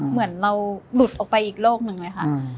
เหมือนเราหลุดออกไปอีกโลกหนึ่งเลยค่ะ